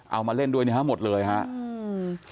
เอามาเล่นด้วยนะครับหมดเลยครับ